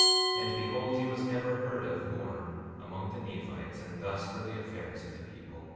16:8 And behold, he was never heard of more among the Nephites; and thus were the affairs of the people.